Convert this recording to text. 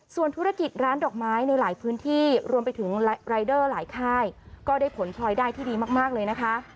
ส่วนธุรกิจร้านดอกไม้ในหลายพื้นที่รวมไปถึงรายเดอร์หลายค่ายก็ได้ผลพลอยได้ที่ดีมากเลยนะคะ